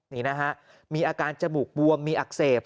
นี่นะฮะมีอาการจมูกบวมมีอักเสบ